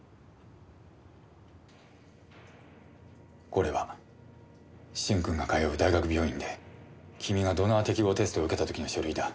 これは駿君が通う大学病院で君がドナー適合テストを受けた時の書類だ。